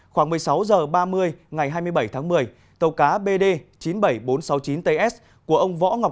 khoảng một mươi sáu h ba mươi ngày hai mươi bảy tháng một mươi tàu cá bd chín mươi bảy nghìn bốn trăm sáu mươi chín ts của ông võ ngọc